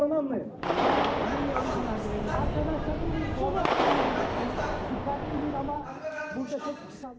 tidak ada yang bisa dibuat